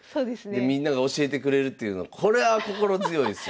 でみんなが教えてくれるっていうのこれは心強いですよ。